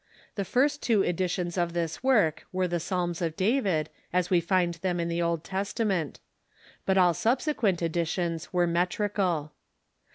The first two edi tions of this work were the Psalms of David as we find them in the Old Testament. But all subsequent editions were metrical.